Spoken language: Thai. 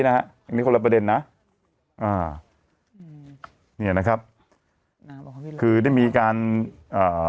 อันนี้นะครับอันนี้คนละประเด็นนะอ่านี่นะครับคือได้มีการอ่า